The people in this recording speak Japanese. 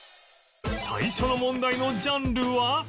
最初の問題のジャンルは？